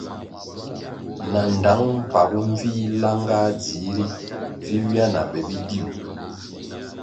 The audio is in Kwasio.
Na ndtang mpagu nvih langah dzihri vi ywia na be bidiu.